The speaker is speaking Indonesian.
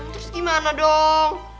terus gimana dong